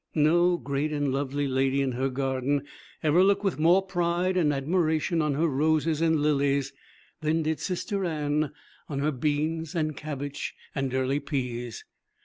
No great and lovely lady in her garden ever looked with more pride and admiration on her roses and lilies than did Sister Anne on her beans and cabbages and early peas.